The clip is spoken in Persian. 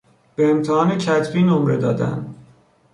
به امتحان کتبی نمره دادن